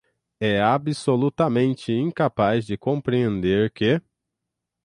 é absolutamente incapaz de compreender que